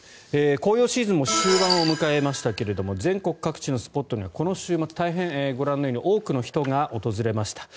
紅葉シーズンも終盤を迎えましたが全国各地のスポットにはこの週末、ご覧のように多くの人が訪れました。